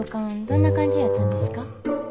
どんな感じやったんですか？